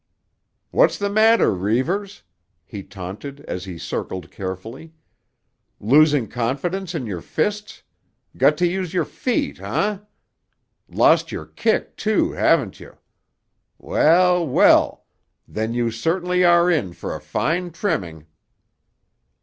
"What's the matter, Reivers?" he taunted as he circled carefully. "Losing confidence in your fists? Got to use your feet, eh? Lost your kick, too, haven't you? Well, well! Then you certainly are in for a fine trimming!"